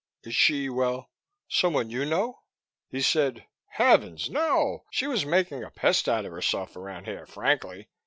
Is she, well, someone you know?" He said, "Heavens, no. She was making a pest out of herself around here, frankly.